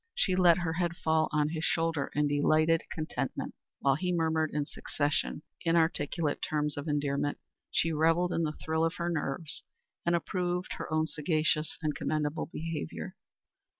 She let her head fall on his shoulder in delighted contentment. While he murmured in succession inarticulate terms of endearment, she revelled in the thrill of her nerves and approved her own sagacious and commendable behavior.